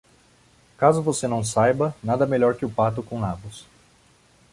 Caso você não saiba, nada melhor que o pato com nabos.